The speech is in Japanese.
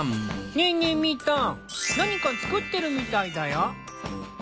ねぇねぇみーたん何か作ってるみたいだよ。